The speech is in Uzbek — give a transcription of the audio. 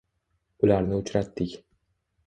Ularni uchratdik…